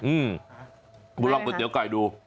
อืมคุณลองก๋วยเตี๋ยวไก่ดู